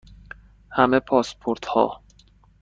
همه پاسپورت ها